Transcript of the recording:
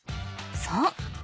そう。